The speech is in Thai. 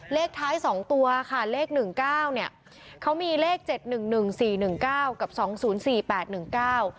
เลขท้ายสองตัวค่ะเลขหนึ่งเก้าเนี่ยเขามีเลขเจ็ดหนึ่งหนึ่งสี่หนึ่งเก้ากับสองศูนย์สี่แปดหนึ่งเก้า